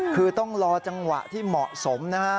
คือต้องรอจังหวะที่เหมาะสมนะฮะ